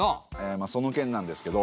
まあその件なんですけど。